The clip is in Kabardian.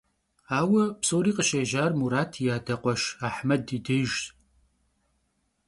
Aue psori khışêjar Murat yi ade khueşş Ahmed yi dêjjş.